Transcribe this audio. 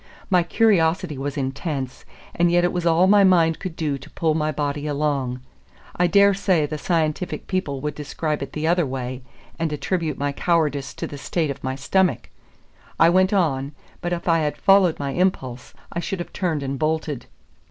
My curiosity was intense; and yet it was all my mind could do to pull my body along. I daresay the scientific people would describe it the other way, and attribute my cowardice to the state of my stomach. I went on; but if I had followed my impulse, I should have turned and bolted.